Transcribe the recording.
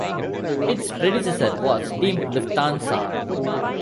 Its predecessor was Team Lufthansa.